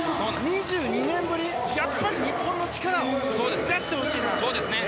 ２２年ぶり、やっぱり日本の力を出してほしいです！